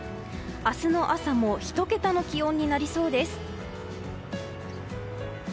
明日の朝も１桁の気温になりそうです。